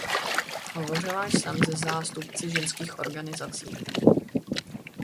Hovořila jsem se zástupci ženských organizací.